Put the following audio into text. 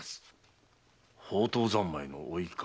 放蕩三昧の甥か。